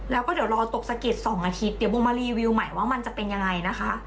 แล้วก็เดี๋ยวรอตกสะกิด๒อาทิตย์เดี๋ยวโบมารีวิวใหม่ว่ามันจะเป็นยังไงนะคะ